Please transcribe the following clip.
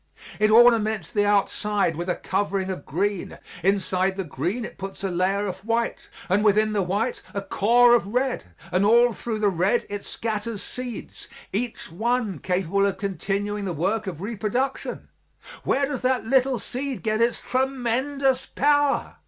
It ornaments the outside with a covering of green; inside the green it puts a layer of white, and within the white a core of red, and all through the red it scatters seeds, each one capable of continuing the work of reproduction. Where does that little seed get its tremendous power?